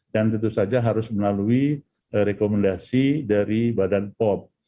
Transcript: dan tentu saja harus melalui rekomendasi dari badan pop